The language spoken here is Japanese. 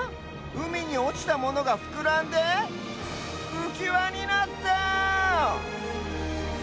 うみにおちたものがふくらんでうきわになった！